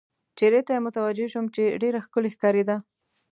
چېرې ته یې متوجه شوم، چې ډېره ښکلې ښکارېده.